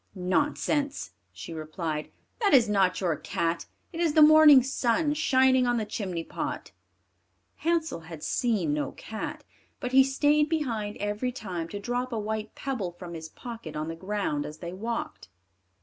"Nonsense," she replied; "that is not your cat; it is the morning sun shining on the chimney pot." Hansel had seen no cat, but he stayed behind every time to drop a white pebble from his pocket on the ground as they walked.